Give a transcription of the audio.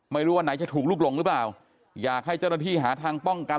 ไม่รู้ว่าไหนจะถูกลุกหลงหรือเปล่าอยากให้เจ้าหน้าที่หาทางป้องกัน